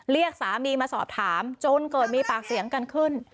เรียกสามีมาสอบถามจนเกิดมีปากเสียงกันขึ้น